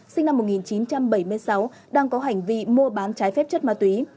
sinh năm một nghìn chín trăm bảy mươi sáu đang có hành vi mua bán trái phép chất ma túy